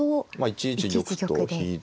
１一玉で。